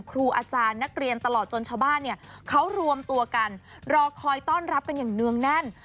ครูอาจารย์นักเรียนตลอดจนชาวบ้านเนี่ยเขารวมตัวกันรอคอยต้อนรับกันอย่างเนื่องแน่น